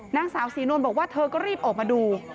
นางสาวศรีนวลบอกว่าเธอก็รีบออกมาดู